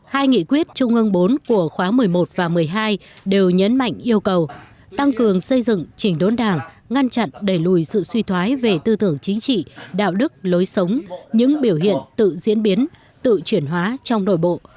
hai nghị quyết trung ương bốn của khóa một mươi một và một mươi hai đều nhấn mạnh yêu cầu tăng cường xây dựng chỉnh đốn đảng ngăn chặn đẩy lùi sự suy thoái về tư tưởng chính trị đạo đức lối sống những biểu hiện tự diễn biến tự chuyển hóa trong nội bộ